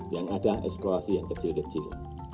yang ada eksplorasi yang kecil kecil